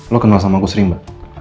lo kenal sama agus rimba